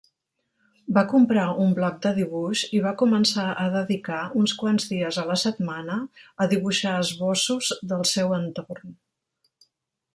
Va comprar un bloc de dibuix i va començar a dedicar uns quants dies a la setmana a dibuixar esbossos del seu entorn.